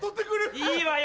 いいわよ